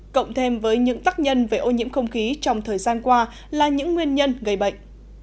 cộng thêm với những tác nhân về ô nhiễm không khí trong thời gian qua là những nguyên nhân gây bệnh